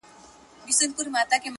مرګی ظالم دی ژوند بې باوره -